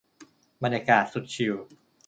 บรรยากาศสุดชิล